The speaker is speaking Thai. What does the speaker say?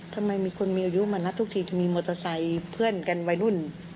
ทำไมมีคนมีอายุมานัดทุกทีจะมีมอเตอร์ไซค์เพื่อนกันวัยรุ่น